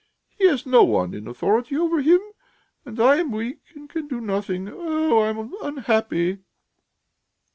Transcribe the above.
"He has no one in authority over him, and I am weak and can do nothing. Oh, I am unhappy!"